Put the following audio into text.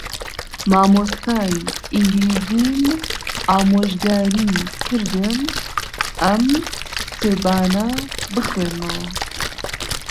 مامۆستای ئینگلیزیم ئامۆژگاریی کردم ئەم کتێبانە بخوێنمەوە.